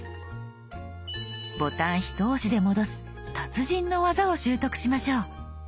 ボタンひと押しで戻す達人の技を習得しましょう。